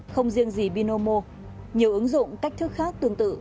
không riêng gì binomo nhiều ứng dụng cách thức khác tương tự